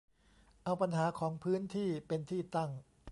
เอาปัญหาของพื้นที่เป็นที่ตั้ง